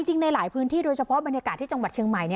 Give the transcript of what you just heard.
ในหลายพื้นที่โดยเฉพาะบรรยากาศที่จังหวัดเชียงใหม่